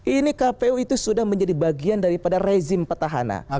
ini kpu itu sudah menjadi bagian daripada rezim petahana